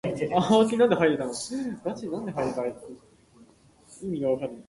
One can ask: Is "heterological" a heterological word?